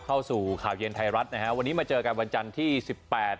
เข้าสู่ข่าวเย็นไทยรัฐนะฮะวันนี้มาเจอกันวันจันทร์ที่สิบแปด